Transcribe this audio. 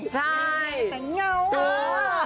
ใช่แต่เงาว่า